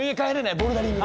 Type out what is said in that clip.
ボルダリング。